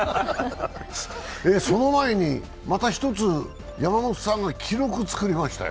その前に、また１つ、山本さんが記録を作りましたよ。